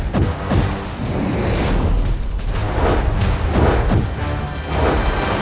kami permisi kutiparapu